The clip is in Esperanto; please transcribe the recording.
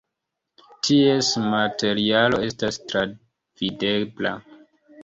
Ties materialo estas travidebla.